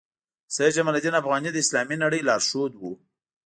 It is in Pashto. سید جمال الدین افغاني د اسلامي نړۍ لارښود وو.